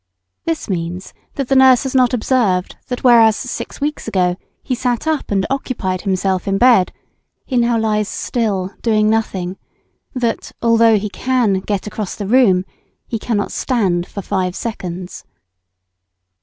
This means that the nurse has not observed that whereas six weeks ago he sat up and occupied himself in bed, he now lies still doing nothing; that, although he can "get across the room," he cannot stand for five seconds.